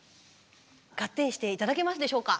ガッテンして頂けますでしょうか？